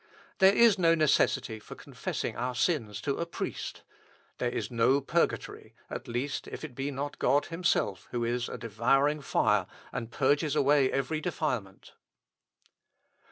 There is no necessity for confessing our sins to a priest. There is no purgatory, at least if it be not God himself, who is a devouring fire, and purges away every defilement."